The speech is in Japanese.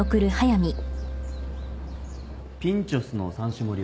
ピンチョスの３種盛りを。